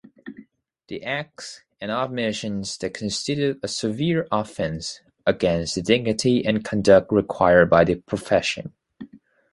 The acts and omissions that constitute a severe offense against the dignity and conduct required by the profession.